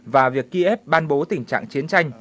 và việc kiev ban bố tình trạng chiến tranh